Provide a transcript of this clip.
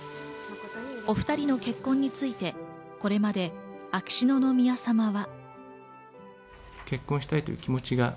お２人の結婚についてこれまで秋篠宮さまは。